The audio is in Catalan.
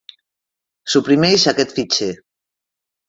Suprimeix aquest fitxer.